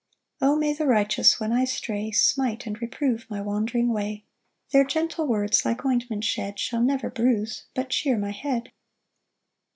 3 O may the righteous, when I stray, Smite, and reprove my wandering way! Their gentle words, like ointment shed, Shall never bruise, but cheer my head.